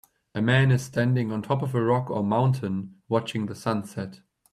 A man is standing on top of a rock or mountain watching the sunset.